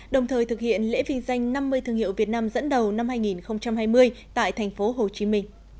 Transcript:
đồng thời thực hiện lễ viên danh năm mươi thương hiệu việt nam dẫn đầu năm hai nghìn hai mươi tại tp hcm